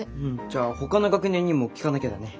じゃあほかの学年にも聞かなきゃだね。